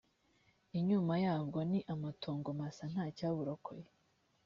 inyuma yabwo ni amatongo masa nta cyaburokoye